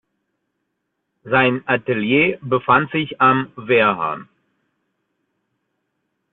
Sein Atelier befand sich am Wehrhahn.